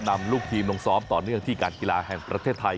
นำลูกทีมลงซ้อมต่อเนื่องที่การกีฬาแห่งประเทศไทย